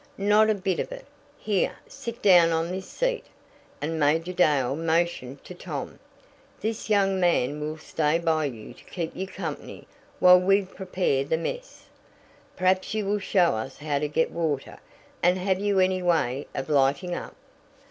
"Not a bit of it. Here, sit down on this seat," and Major Dale motioned to Tom. "This young man will stay by you to keep you company while we prepare the mess. Perhaps you will show us how to get water? And have you any way of lighting up?"